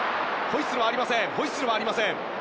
ホイッスルはありません。